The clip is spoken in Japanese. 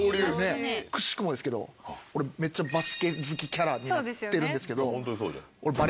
くしくもですけど俺めっちゃバスケ好きキャラになってるんですけど俺。